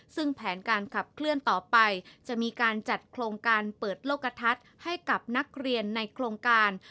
ซึ่งแผนการขับเคลื่อนต่อไปจะมีการจัดโครงการเปิดโลกกระทัดให้กับนักเรียนในโครงการ